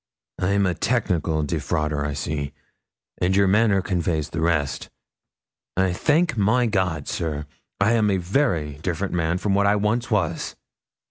'I'm a technical defrauder, I see, and your manner conveys the rest. I thank my God, sir, I am a very different man from what I once was.'